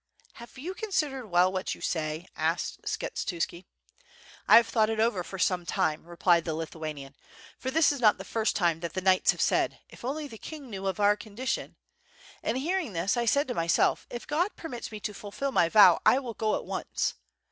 "Have you considered well what you say?" asked Skshetu ski. "I have thought over it for some time," replied the Lithu anian, "for this is not the first time that the knights have said *if the king only knew of our condition!' And hearing this, I said to myself, 'If God permits me to fulfill my vow I will go at once!'